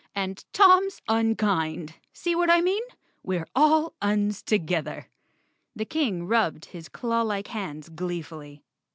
"And Tom's unkind. See what I mean? We're all Uns to¬ gether." The King rubbed his clawlike hands glee¬ fully.